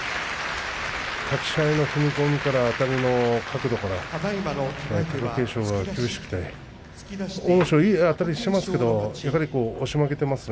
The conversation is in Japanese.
立ち合いの踏み込みからあたりの角度から貴景勝が厳しくて阿武咲はいいあたりしていますけどやはり押しが出ていますよね。